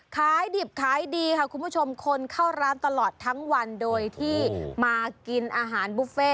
ขายดิบขายดีค่ะคุณผู้ชมคนเข้าร้านตลอดทั้งวันโดยที่มากินอาหารบุฟเฟ่